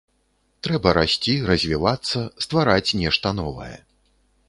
Трэба расці, развівацца, ствараць нешта новае.